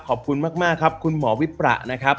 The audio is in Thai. ขอบคุณมากครับคุณหมอวิประนะครับ